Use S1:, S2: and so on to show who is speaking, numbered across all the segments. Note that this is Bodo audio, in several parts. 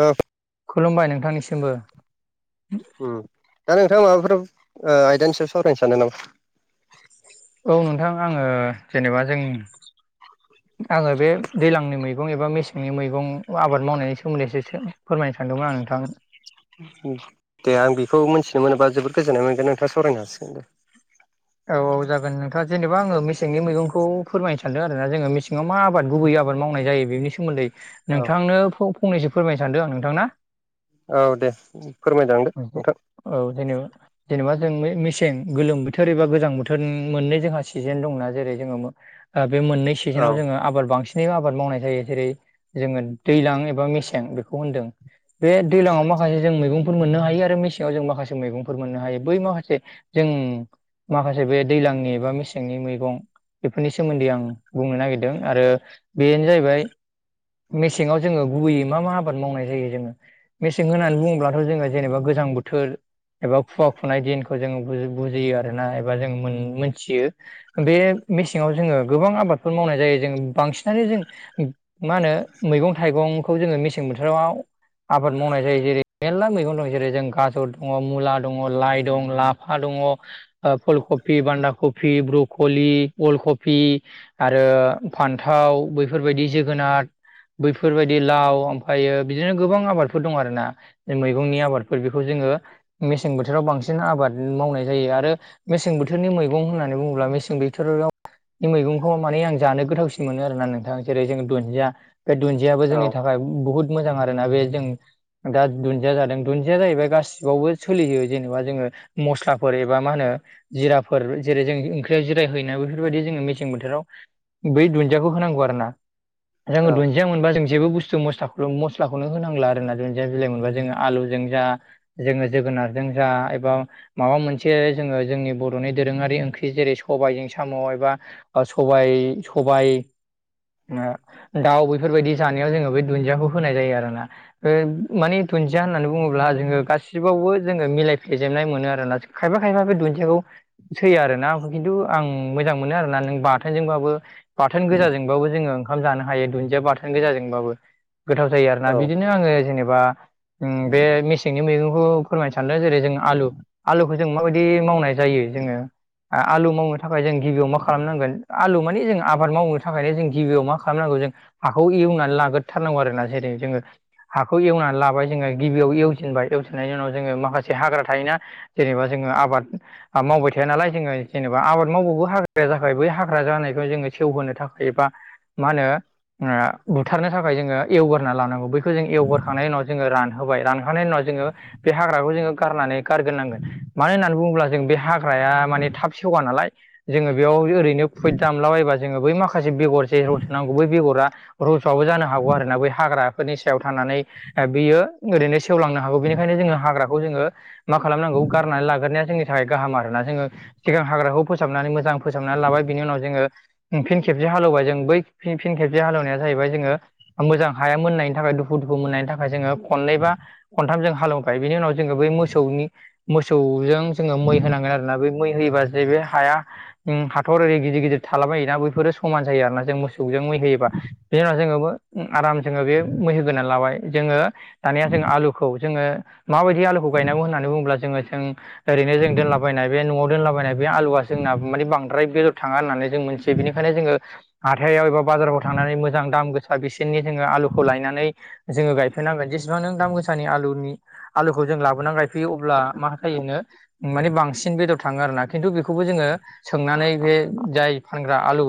S1: ओ
S2: खुलुमबाय नोंथांनिसिमबो।
S1: ओम दा नोंथाङा माबाफोर ओ आयदानि सायाव सावरायनो सान्दों नामा?
S2: औ नोंथां आङो जेनेबा जोंनि आङो बे दैलांनि मैगं एबा मेसें नि मैगं आबाद मावनायनि सोमोन्दैसो इसे फोरमायनो सानदोंमोन आं नोंथां
S1: ओम दे आं बेखौ मिथिनो मोनोबा जोबोद गोजोननाय मोनगोन नोंथाङा सावरायनो हासिगोन दे।
S2: औ औ जागोन नोंथाङा जेनेबा आङो मेसेंनि मैगंखौ फोरमायनो सानदों आरो ना जोङो मेसेङाव मा आबाद गुबै आ बाद मावनाय जायो बेनि सोमोन्दै
S1: औ
S2: नोंथांनो फं-फंनैसो फोरमायनो सानदों आं नोंथां ना
S1: औ दे उम फोरमायलांदो
S2: मोनसे
S1: नोंथां।
S2: औ जेनेबा जेनेबा जों मे-मेसें गोलोम बो थोर एबा गोजां बोथोर मोननै जोंहा सिजेन दं ना जेरै जोङो मो आ बे मोननै
S1: औ
S2: सिजोनाव जोङो आबाद बांसिन [unintelligible] आबाद मावनाय जायो जेरै जोङो दैज्लां एबा मेसें बेखौ होनदों बे दैलाङाव माखासे जों मैगं मोननो हायो आरो मेसेङाव जों माखासे मैगंफोर मोननो हायो। बै माखासे जों माखासे बे दैलांनि एबा मेसेंनि मैगं बेफोरनि सोमोन्दै आं बुंनो नागिरदों आरो बेनो जाहैबाय मेसेङाव जोङो गुबैयै मा मा आबाद मावनाय जायो जोङो मेसें होननानै बुङोब्लाथ' जोङो जेनेबा गोजां बोथोर एबा खुवा खुनाय दिनखौ जोङो [unintelligible] बुजियो आरो ना एबा जों मोन-मोनथियो। बे मेसेङाव जोङो गोबां आबादफोर मावनाय जायो जों बांसिनानो जों मा होनो मैगं थाइगं खौ जोङो मेसें बोथोराव आबाद मावनाय जायो जेरै मेरला मैगं दं जेरै जों गा जर दङ' मुला दङ' लाइ दं लाफा दङ' आ फुल कफि बान्दा कफ कफि ब्रकलि फुल कफि आरो फान्थाव बैफोरबायदि जोगोनार बैफोरबायदि लाउ ओमफ्रायो बिदिनो गोबां आबादफोर दं आरो ना मैगंनि आबादफोर बेखौ जोङो मेसें बोथोराव बांसिन आबाद मावनाय जायो आरो मेसें बोथोरनि मैगं होननानै बुङोब्ला मेसें बोथोराव मैगंखौ माने आं जानो गोथावसिन मोनो आरोना नोंथां जेरै जों दुन्दिया बे दुन्दियाबो
S1: औ
S2: जोंनि थाखाय थाखाय बुहुत मोजां आरोना बे जों दा दुन्दिया जादों दुन्दिया जाहैबाय गासिबावबो सोलियो जेनेबा जोङो मस्लाफोर एबा मा होनो जिराफोर जेरै जों ओंख्रियाव जिरा होयो ना बेफोरबायदि जोङो मेसें बोथोराव बै दुन्दियाखौ होनांगौ आरो ना जोङो
S1: औ
S2: दुन्दिया मोनबा जों जेबो बुस्थु मस्ला मस्लाखौनो होनांला आरोना दुुनदिया बिलाइ मोनबा जोङो आलुजों जा जोङो जोगोनारजों जा एबा माबा मोनसे जोङो जोंनि बर'नि दोरोङारि ओंख्रि जेरै सबाइजों साम' एबा सबाय सबाइ दाउ बेफोरबायदि जानायाव जोङो बे दुन्दियाखौ होनाय जायो आरोना। मानि दुन्दिया होननानै बुङोब्ला जोङो गासिबावबो जोङो मिलाय फ्लेजेनाय मोनो आरो ना। खायफा खायफा बे दुन्दियाखौ सैयो आरोा आंखौ खिन्थु आं मोजां मोनो आरोना नों बाथोनजोंबाबो बाथोन गोजाजोंबाबो जोङो ओंखाम जानो हायो दुन्दिया बाथोन गोजाजोंबाबो गोथाव जायो आरो ना
S1: ओ
S2: बिदिनो आङो जेनेबा बे मेसेंनि मैगंखौ फोरायनो सानदों जेरै जों आलु आलु खौ जों माबायदि मावनाय जायो जोङो आलु मावनो थाखाय जों गिबियाव मा खालामनांगोन आलु माने जों आबाद मावनो थाखायनो जों गिबियाव मा खालामनांगौ जों हाखौ एवनानै लाग्रोथारनांगौ आरोना जेरै जोङो हाखौ एवनानै लाबाय जोङो गिबियाव एवजेनबाय एवजेननायनि उनाव जोङो माखासे हाग्रा थायोना जेनेबा जोङो आबाद मावबाय थाया नालाय जोङो जेनेबा आबाद मावबावगौ हाग्रााया जाखाय बै हाग्रा जानायखौ जोङो सेवहोनो थाखाय एबा मा होनो बुथारनो थाखाय जोङो एवग्रोनना लानांगौ बैखौ जों एवगोरखांनायनि उनाव जोङो रान होबाय रानखांनायनि उनाव जोङो बे हाग्राखौ जोङो गारनानै गारग्रोनांगोन मानो होननानै बुङोब्ला जों बे हाग्राया माने थाब सेवा नालाय जोङो बेयाव ओरैनो फुैद दानलाबायबा जोङो बै माखासे बेगर जे रंजनांगौ बै बेगरा रज'आबबो जानो हागौ आरोना बै हाग्राफोरनि सायाव थानानै बियो ओरैनो सेवलांनो हागौ बेनिखायनो जोङो हाग्राखौ जोङो मा खालामनांगौ गारनानै लाग्रोना जोंनि थाखाय गाहाम आरोना जोङो सिगां हाग्राखौ फोसाबनानै मोजां फोसाबनानै लाबाय बिनि उनाव जोङो फिन खेबसे हालेवबाय जों बै फिन खेबसे हालेवनाया जाहैबाय जोङो मोजां हाया मोननायनि थाखाय दुखु दुखु मोननायनि थाखाय जोङो खननै बा खनथामजों हालेवबाय बिनि उनाव जोङो बै मोसौनि मोसौजों जोङो मै ना बै मै होयोबासो बे हाया उम हाथर ओरै गिदिर गिदिर थालाबायोोना बैफोरो समान जायो आरो ना जों मोसौजों मै होयोबा बिनि उनाव जोङो आराम जोङो बे मै होगोरनानै लाबाय जोङो दानाया जों आलुखौ जोङो माबायदि आलुखौ गायनांगौ होननानै बुङोब्ला जोङो जों ओरै जों दोनलाब न'आव दोनलाबायनाय बे आलुआ जोंना माने बांद्राय बेदर थाङा होननानै जों मिथियो बेनिखायनो जोङो हाथायाव एबा बाजाराव थांनानै मोजां दाम गोसा बिसोरनि जोङो आलुखौ लायनानै जोङो गायफै नांगोन जेसेबां नों दाम गोसा आलुनि आलुखौ जों लाबोनानै गायफैयो अब्ला मा जायोनो माने बांसिन बांसिन बेदर थाङो आरोना खिन्थु बेखौबो जोङो सोंनानै बे जाय फानग्रा आलु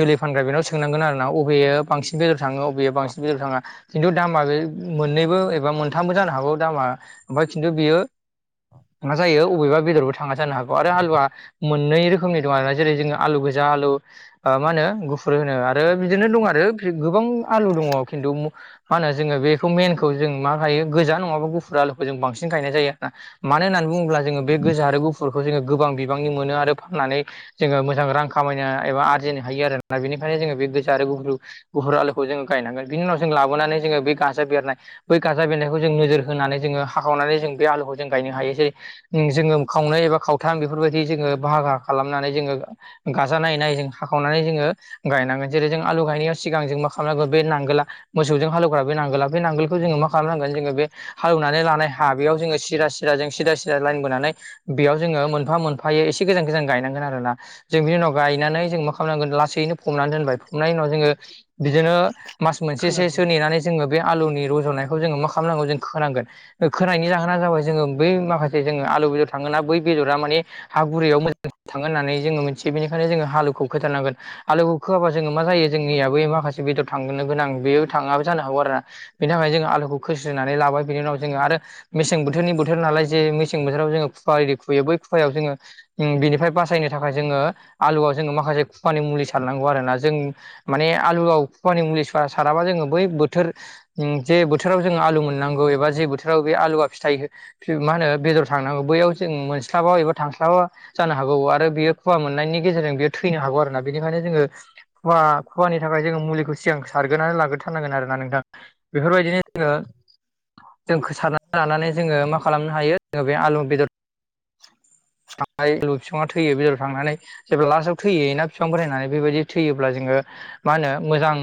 S2: जुलि फानग्रा बेनाव सोंनांगोन आरो ना बबेयो बांसिन बेदर थाङो अबेयो बांसिन बेदराव थाङा। खिन्थु दामा बे मोननैबो एबा मोनथामबो जानो हागौ दामा ओमफ्राय खिन्थु बियो मा जायो अबेबा बेदरबो थाङा जानो हागौ आरो हालुवा मोननै रोखोमनि दं जेरै जोङो आलु गोजा आलु मा होनो गुफुर होनो आरो। बिदिनो दं आरो गोबां आलु दङ खिन्थु मा होनो जोङो बेखौ मेनखौ जों मा गायो गोजा नङाबा गुफुर आलुखौ जों बांसिन गायनाय जायो आरो ना। मानो होननानै बुङोब्ला जोङो बे गोजा आरो गुफुरखौ जोङो गोबां बिबांनि मोनो आरो फाननानै जोङो मोजां रां खामायनो एबा आरजिनो हायो आरो ना बेनिखायनो जोङो बे गोजो आरो गुफुर गुफुर आलुखौ जोङो गायनांगोन बिनि उनाव जों लाबोनानै जोङो बे गाजा बेरनाय बै गाजा बेन्नायखौ जों नोजोर होनानै जोङो हाखावनानै जों बे आलुखौ जों गायनो हायो जेरै जोङो खावनै एबा खावथाम बेफोरबायदि जोङो बाहागो खालामनानै जोङो गाजा नायै नायै जों हाखावनानै जोङो गायनांगोन जेरै जों आलु गायनायाव सिगां जों मा खालामनांगोन बे नांगोलला मोसौजों हालौग्रा बे नांगोला बे नांगोलखौ जोङो मा खालामनांगोन जोङो बे हालेवनानै लानाय हा बेयाव जोङो सिरा सिदा जों सिदा सिदा लाइन बोनानै बेयाव जोङो मोनफा मोनफायै एसे गोजान गोजान गायनांगोन आरोना जों बिनि उनाव गायनानै जों मा खालामनांगोन लासैनो फबनानै दोनबाय फबनायनि उनाव जोङो बिदिनो मास मोनसेसोसो नेनानै जोङो बे आलुनि रज'नायखौ जोङो मा खालामनांगौ जों खोनांगोन खोनायनि जाहोना जाबाय जोङो बै माखासे जोङो आलु बेदर थाङोना बै बेदरा माने हा बुरैयाव मोजां थाङो होन्नानै जोङो मिथियो बेनिखायनो जोङो हालुखौ खोथारनांगोन आलोखौ खोआाबा जोङो मा जायो जोंनियाबो माखासे बेदर थांनो गोनां बेयो थाङाबो जानो हागौ आरोना बेनि थाखाय जोंङो आलुखौ खोस्रनानै लाबाय बिनि उनाव जोङो आरो मेसें बोथोरनि बोथोर नालाय जे मेसें बोथोराव जोङो खुवा यरि खुयो बै खुयाव जोङो बिनिफ्राय बासायनो थाखाय जोङो आलुआव जोङो माखासे खुवानि मुलि सारनांगौ आरो ना जों माने आलुआव फुवानि मुलि सुवा साराबा जोङो बै बोथोर जे बोथोराव जोंङो आलु मोननांगौ एबा जे बोथोराव बे आलुआ फिथाइ मा होनो बेदर थांना हांगौ बैयाव जों मोनस्लाबा एबा थांस्लाबा जानो हागौ आरो बियो खुवा मोननायनि गेजेरजों बियो थैनो हागौ आरो ना बेनिखायनो जोङो खुवा खुवानि थाखाय जोङो मुलिखौ सिगां सारग्रोनानै लाग्रोथारनांगोन आरोोना नोंथां बेफोरबायदिनो जोङो जोंखौ सारना लानानै जोङो मा खालामनो हायो जोङो बे आलु बेदर थांल' बिफां थैयो बेलेराव थांनानै जेब्ला लास्टआव थैय ना बिफां फरायनानै बेबायदि थैयोब्ला जोङो मा होनो मोजां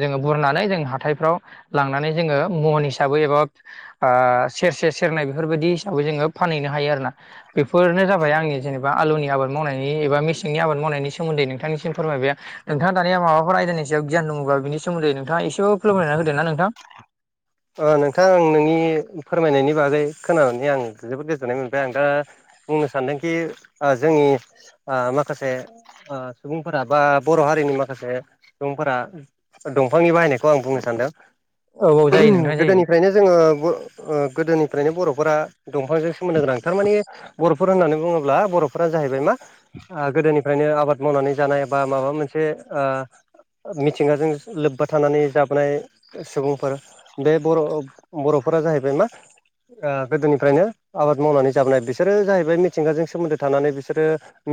S2: जोङो बुरनानै जों हाथायफ्राव लांनानै जोङो महन हिसाबै एबा सेरसे सेरनाय बेफोरबायदि हिसाबै जोङो फानहैनो हाथों आरोना बेफोरनो जाबाय आंनि जेबा आलुनि आबाद मावनायनि एबा मेसेंनि आबाद मावनायनि सोमोन्दै नोंथांनिसिम फोरमायबाय नोंथाङा दानिया माबाफोर आयदानि सायाव गियान दङबा बिनि सोमोनदै नोथाङा एसेबो फोरोंयनानै होदों ना नोंथां
S1: ओ नोंथां आं नोंनि फोरमायनायनि बागै खोनानानै आं जोबोद गोजोननाय मोनबाय आं दा बुंनो सानदोंखि जोंनि ओ माखासे सुबुंफोरा बा बर' हारिनि माखासे सुबुंफोरा दंफांनि बाहायनायखौ आं बुंनो
S2: औ औ
S1: सानदों
S2: जायो नोंथां जायो
S1: गोदोनिफ्रायनो जोङो ओ गोदोनिफ्रायनो बर'फोरा दंफांजों सोमोन्दो गोनां थारमाने बर'फोर होननानै बुङोब्ला बर'फोरा जाहैबाय मा ओ गोदोनिफ्रायनो आबाद मावनानै जानाय बा माबा मोनसे ओ मिथिंगाजों लोब्बा थानानै जाबोनाय सुबुंफोर बे बर' बर'फोरा जाहैबाय मा ओ गोदोनिफ्रायनो आबाद मावनानै जाबोनाय बिसोरो जाहैबाय मिथिंगाजों सोमोन्दो थानानै बिसोरो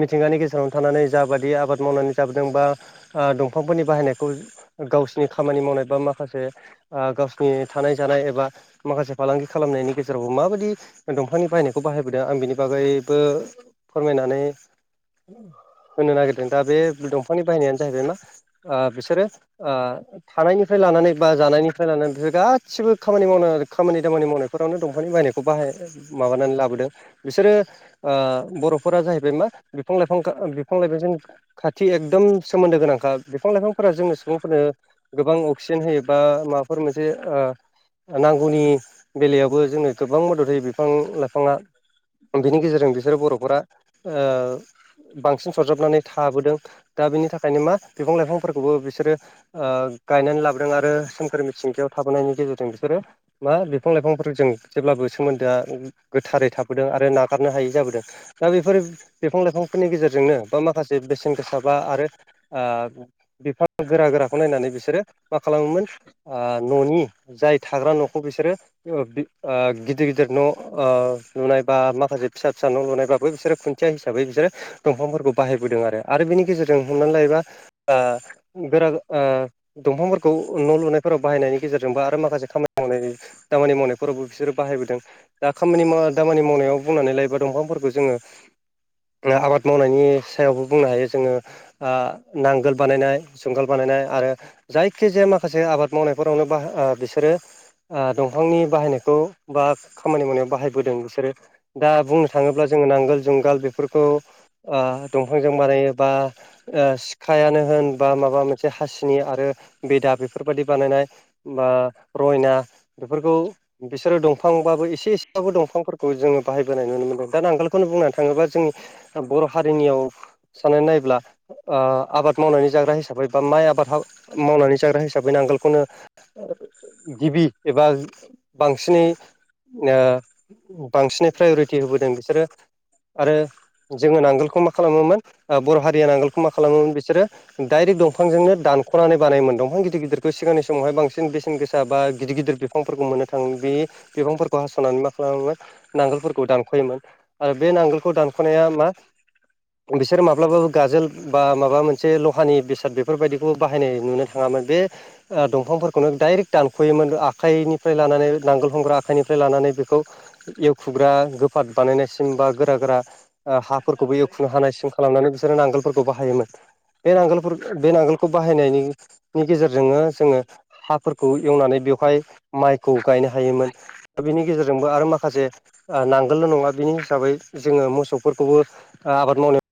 S1: मिथिंगानि गेजेरावनो थानानै जाबायदि आबाद मावनानै जाबोदों बा ओ दंफांफोरनि बाहायनायखौ गावसिरनि खामानि मावनाय बा माखासे गावसिनि थानाय जानाय एबा माखासे फालांगि खालामनायनि गेजेरावबो माबायदि दंफांनि बाहायनायखौ बाहायबोदों आं बिनि बागैबो फोरमायनानै होनो नागिरदों दा बे दंफांनि बायनायानो जाहैबाय ना ओ बिसोरो ओ थानायनिफ्राय लानानै बा जानायनिफ्राय लानानै बिसोर गासिबो खामानि मावनो खामानि दामानि मावनायफोरावनो दंफांनि बायनायखौ बाहाय माबानानै लाबोदों। बिसोरो ओ बर'फोरा जाहैबाय मा बिफां-लाइफां बिफां-लाइफांजों खाथि एकदम सोमोन्दो गोनांखा बिफां लाइफांफोरा जोंनि सुबुंफोरनो गोबां अक्सिडेन्ट होयो बा माबाफोर मोनसे नांगौनि बेलायावबो जोंनो गोबां मदद होयो बिफां लाइफाङा। बिनि गेजेरजों बिसोरो बर'फोरा बांसिन सरजाबनानै थाबोदों दा बिनि थाखायनो मा बिफां-लाइफांफोरखौबो बिसोरो ओ गायनानै लाबोदों आरो सोमखोर मिथिं थाबोनायनि गेजेरजों बिसोरो मा बिफां-लाइफांफोरखौ जों जेब्लाबो सोमोन्दोआ गोथारै थाबोदों आरो नागारनो हायै जाबोदों। दा बेफोर बिफां-लाइफांफोरनि गेजेरजोंनो बा माखासे बेसेन गोसा बा आरो बिफां गोरा गोराखौ नायनानै बिसोरो मा खालामोमोन न'नि जाय थाग्रा न'खौ बिसोरो गिदिर गिदिर न' नुनाय बा माखासे फिसा फिसा न' लुनायबाबो बिसोरो खुन्थिया हिसाबै बिसोरो दंफांफोरखौ बाहायबोदों आरो। आरो बिनि गेजेरजों हमनानै लायोबा गोरा ओ दंफांफोरखौ न' लुनायफोराव नि गेजेरजोंबो आरो माखासे खामानि मावनाय खामानि मावनायफोरावबो बिसोरो बाहायबोदों। दा खामानि माव दामानि मावनायाव बुंनानै लायोबा दंफांफोरखौ जोङो
S2: [inaudible]
S1: आबाद मावनायनि सायावबो बुंनो हायो जोङो ओ नांगोल बानायनाय जुंगाल बानायनाय आरो जायखिजाया माखासे आबाद मावनायफोरावनो बाह बिसोरो ओ दंफांनि बाहायनायखौ बा खामानि मावनायाव बाहायबोदों बिसोरो। दा बुंनो थाङोब्ला जोङो नांगोल जुंगाल बेफोरखौ ओ दंफांजों बानायो बा ओ सिखायानो होन बा माबा मोनसे हासिनि आरो बेदा बेफोरबायदि बानायनाय बा रयना बेफोरखौ बिसोरो दंफांबाबो एसे एसेबाबो दंफांफोरखौ जोङो बाहायबोनाय नुनो मोनदों दा नांगोलखौनो बुंनो थाङोबा जोंनि बर' हारिनियाव साननानै नायोब्ला ओ आबाद मावनानै जाग्रा हिसाबै बा माइ आबाद मावनानै जाग्रा हिसाबै नांगोल गिबि एबा बांसिनै ओ बांसिनै प्रायरिटि होबोदों बिसोरो आरो जोंङो नांगोलखौ मा खालामोमोन ओ बर' हारिया नांगोलखौ मा खालामोमोन बि डाइरेक्ट दंफांजोंनो दानख'नानै बानायोमोन दंफां गिदिर गिदिर सिगांनि समावहाय बांसिन बेसेन गोसा बा गिदिर गिदिर बिफांफोरखौ मोननो थाङो। बे बिफांफोरखौ हास'नानै मा खालामोमोन नांगोलफोरखौ दानख'योमोन। आरो बे नांगोलखौ दानख'नाय [unintelligible] बिसोरो माब्लाबाबो गाजोल बा माबा मोनसे लहानि बेसाद बेफोरबायदिखौबो बाहायनाय नुनो [unintelligible] बे ओ दंफांफोरखौनो डाइरेक्ट दानख'योमोन आखाइनिफ्राय लानानै नांगोल हमग्रा आखाइनिफ्राय लानानै बेखौ एवखुग्रा गोफाद बानायनायसिम बा गोरा गोरा ओ हाफोरखौबो एवखुनो हानाय सिम खालामनानै बिसोरो नांगोलफोरखौ बाहायोमोन। बे नांगोलफोर बे नांगोलखौ बाहायनायनि गेजेरजोंनो हाफोरखौ एवनानै बेवहाय माइखौ गायनो हायोमोन। दा बेनि गेजेरजोंबो आरो माखासे ओ नांगोलल' नङा बिनि हिसाबै जोङो मोसौफोरखौबो आबाद मावनाय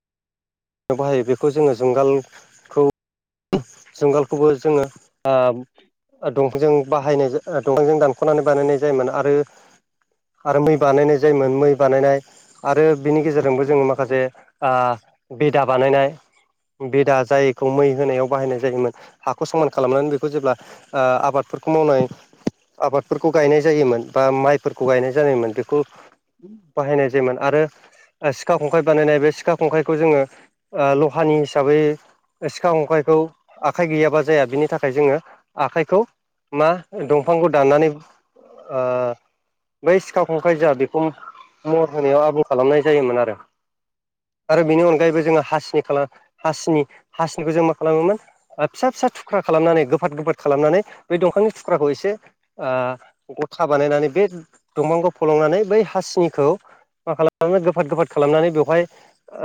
S1: बाहायो बेखौ जोंङो जुंगालखौ जुंगालखौबो जोंङो ओ दंफांजों बाहायनाय दंफांजों दानख'नानै बानायनाय जायोमोन आरो आरो मै बानायनाय जायोमोन मै बानायनाय आरो बिनि गेजेरजोंबो जोंङो माखासे ओ बेदा बानायनाय बेदा जायखौ मै होनायाव बाहायनाय जायोमोन हाखौ समान खालामनानै बेखौ जेब्ला ओ आबादफोरखौ मावनाय आबादफोरखौ गायनाय जायोमोन बा माइफोरखौ गायनाय जानायोमोन बेखौ बाहायनाय जायोमोन आरो सिखा खंखाइ बानायनाय बे सिखा खंखाइ जोंङो ओ लहानि हिसाबै सिखा खंखायखौ आखाइ गैयाबा जाया बिनि थाखाय जोंङो आखाइखौ मा दंफांखौ दाननानै ओ बै सिखा खंखाइ जा बेखौ महर होनायाव आबुं खालामनाय जायोमोन आरो। आरो बेनि अनगायैबो जोंङो हासिनि हासिनि हासिनिखौ जों मा खालामोमोन फिसा फिसा थुख्रा खालामनानै गोफाद गोफाद खालामनानै बे दंफांनि थुख्राखौ एसे ओ गथा बानायनानै बे दंफांखौ फलंनानै बै हासिनिखौ मा खालामनो गोफाद गोफाद खालामनानै बेवहाय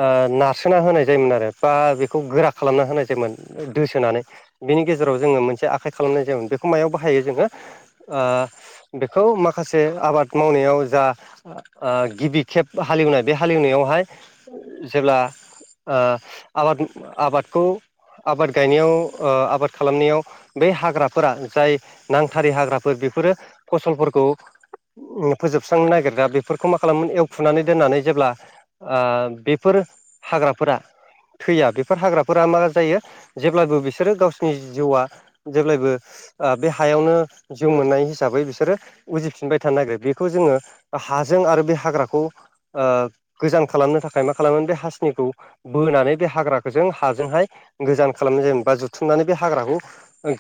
S1: ओ नारसोना होनाय जायोमोन आरो बा बेखौ गोरा खालामना होनाय जायोमोन दोसोनानै। बिनि गेजेराव जोंङो मोनसे आखाइ खालामनाय जायोमोन। बेखौ मायाव बाहायो जोंङो ओ बेखौ माखासे आबाद मावनायाव जा ओ गिबि खेब हालेवनाय बे हालेवनायावहाय जेब्ला ओ आबाद आबादखौ आबाद गायनायाव आबाद खालामनायाव बै हाग्राफोरा जाय नांथारै हाग्राफोर बेफोरो फसलफोरखौ फोजोबस्रांनो नागिरग्रा बेफोरखौ मा खालामो एवफुनानै दोननानै जेब्ला ओ बेफोर हाग्राफोरा थैया बेफोर हाग्राफोरा मा जायो जेब्लाबो बिसोरो गावसिनि जिउआ जेब्लायबो ओ बे हायावनो जिउ मोननाय हिसाबै बिसोरो उजिफिनबाय थानो नागिरो बेखौ जोंङो हाजों आरो बे हाग्राखौ गोजान खालामनो थाखाय मा खालामो बे हाासनिखौ बोनानै बे हाग्राखौ जों हाजोंहाय गोजान खालामनाय जेन बा जुथुमनानै बे हाग्राखौ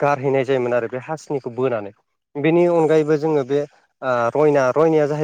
S1: गारहैनाय जायोमोन आरो बे हासिनिखौ बोनानै बेनि अनगायैबो जोंङो बे रयना रयनाया जाहैबाय